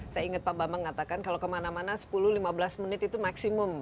saya ingat pak bambang mengatakan kalau kemana mana sepuluh lima belas menit itu maksimum